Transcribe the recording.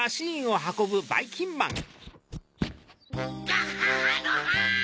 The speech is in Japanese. ガハハのハ！